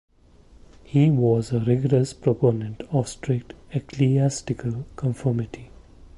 He was a rigorous proponent of strict ecclesiastical conformity.